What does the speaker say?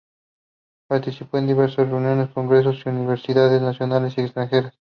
Participó en diversas reuniones y congresos en universidades nacionales y extranjeras.